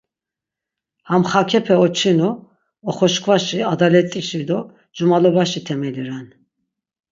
Ham xaǩepe oçinu; oxoşkvaşi, adalet̆işi do cumalobaşi temeli ren.